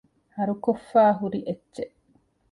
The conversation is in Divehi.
ހަރުކޮށްފައިހުރި އެއްޗެއް